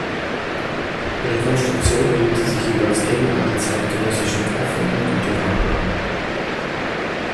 Ihre Konstruktion lehnte sich jeweils eng an die zeitgenössischen offenen Güterwagen an.